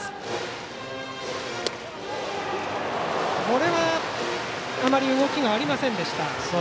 これはあまり動きがありませんでした。